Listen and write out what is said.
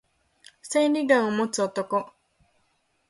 千里眼を持つ男